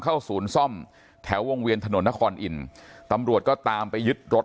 ศูนย์ซ่อมแถววงเวียนถนนนครอินทร์ตำรวจก็ตามไปยึดรถ